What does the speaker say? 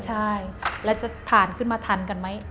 ใช่แล้วจะผ่านขึ้นมาทันกันไหม